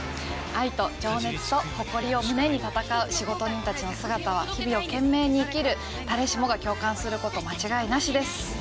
愛と情熱と誇りを胸に戦う仕事人たちの姿は日々を懸命に生きる誰しもが共感する事間違いなしです！